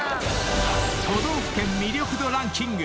［都道府県魅力度ランキング